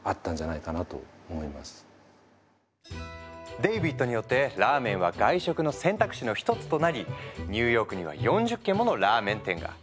デイビッドによってラーメンは外食の選択肢の一つとなりニューヨークには４０軒ものラーメン店が。